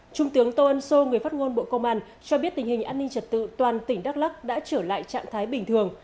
trung tướng tô ân sô người phát ngôn bộ công an cho biết tình hình an ninh trật tự toàn tỉnh đắk lắc đã trở lại trạng thái bình thường